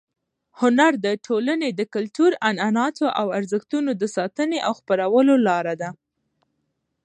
هنر د ټولنې د کلتور، عنعناتو او ارزښتونو د ساتنې او خپرولو لار ده.